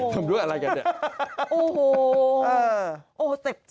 ทำด้วยอะไรกันเนี่ย